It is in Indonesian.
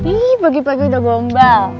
ih pagi pagi udah gombal